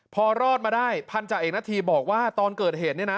พอรอดมาได้พันธาเอกนาธีบอกว่าตอนเกิดเหตุเนี่ยนะ